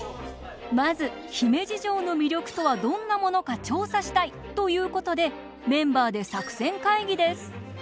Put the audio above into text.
まず姫路城の魅力とはどんなものか調査したい！ということでメンバーで作戦会議です。